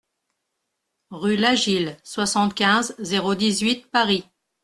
RUE LAGILLE, soixante-quinze, zéro dix-huit Paris